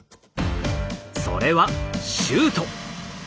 それはシュート！